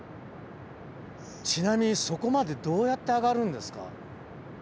ちなみにそこまでどうやって上がるんですか？